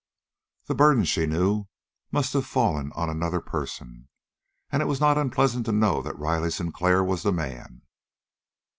That burden, she knew, must have fallen on another person, and it was not unpleasant to know that Riley Sinclair was the man.